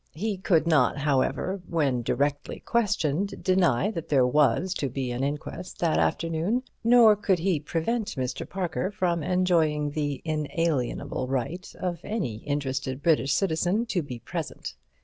He could not, however, when directly questioned, deny that there was to be an inquest that afternoon, nor could he prevent Mr. Parker from enjoying the inalienable right of any interested British citizen to be present.